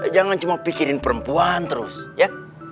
jangan cuma pikirin perempuan terus ya